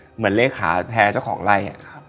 เหมือนแรงคลาแพร่ช่องไล่